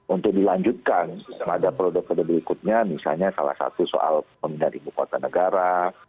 untuk dilanjutkan ada produk produk berikutnya misalnya salah satu soal pemerintah ibu kota negara